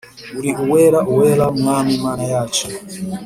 Uri Uwera Uwera ,Mwami Mana yacu